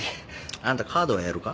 あんたカードはやるか？